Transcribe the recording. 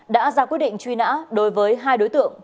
đã ra quyết định truy nã đối với hai đối tượng